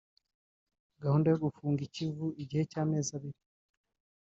Gahunda yo gufunga ikivu igihe cy’amezi abili